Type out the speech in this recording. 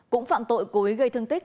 cũng phạm tội cố ý gây thương tích